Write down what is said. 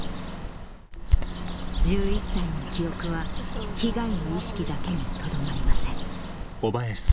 １１歳の記憶は被害の意識だけにとどまりません